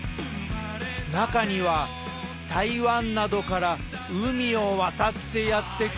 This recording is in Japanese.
中には台湾などから海を渡ってやって来るものもいます